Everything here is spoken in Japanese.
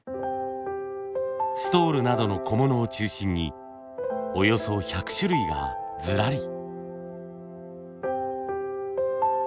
ストールなどの小物を中心におよそ１００種類がずらり。